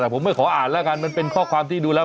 แต่ผมไม่ขออ่านแล้วกันมันเป็นข้อความที่ดูแล้ว